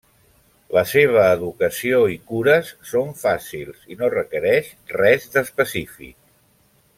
La seva educació i cures són fàcils i no requereix res d'específic.